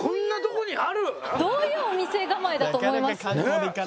どういうお店構えだと思います？